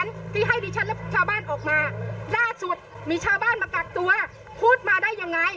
ไม่อยากทำอะไรที่มันเป็นข่าวหรอกค่ะท่าน